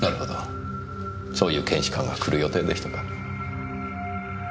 そういう検視官が来る予定でしたか。